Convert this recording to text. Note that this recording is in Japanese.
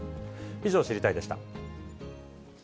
以上、知りたいッ！でした。